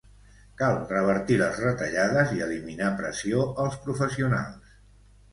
Cal revertir les retallades i eliminar pressió als professionals.